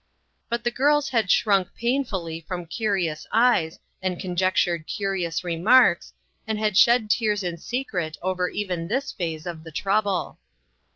But the girls had shrunk painfully from curi ous eyes and conjectured curious remarks, and had shed tears in secret over even this phase of the trouble.